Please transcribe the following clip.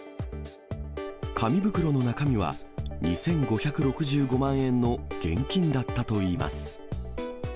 紙袋の中身は、２５６５万円の現金だったといいます。